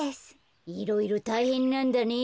いろいろたいへんなんだね。